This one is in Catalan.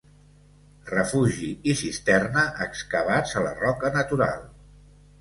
Refugi i cisterna excavats a la roca natural.